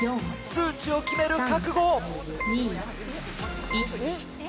数値を決める覚悟を！